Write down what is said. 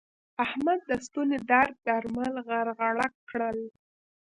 احمد د ستوني درد درمل غرغړه کړل.